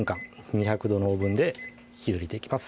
２００℃のオーブンで火を入れていきます